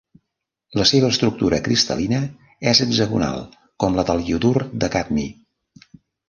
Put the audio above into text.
La seva estructura cristal·lina és hexagonal com la del iodur de cadmi.